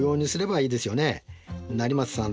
成松さん